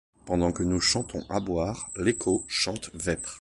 Pendant que nous chantons à boire, l’écho chante vêpres.